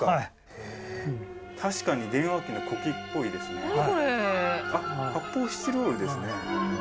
へえ確かに電話機の子機っぽいですね。